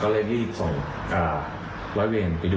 เลยที่ส่งร้อยเวียงไปดู